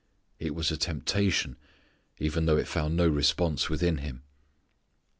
It was a temptation, even though it found no response within Him.